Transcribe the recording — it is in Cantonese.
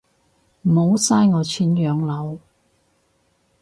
唔好嘥我錢養老